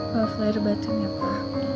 maaf lah ada batunya pa